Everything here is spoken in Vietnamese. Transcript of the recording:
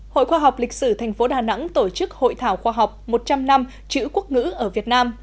hội khoa học lịch sử thành phố đà nẵng tổ chức hội thảo khoa học một trăm linh năm chữ quốc ngữ ở việt nam